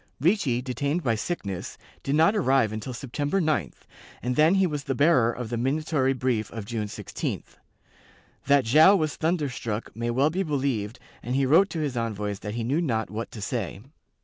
Ricci, detained by sickness, did not arrive until September 9th, and then he was the bearer of the minatory brief of June 16th. That Joao was thunderstruck may well be believed and he wrote to his envoys that he knew not what to say.